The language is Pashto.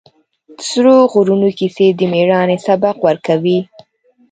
د سرو غرونو کیسې د مېړانې سبق ورکوي.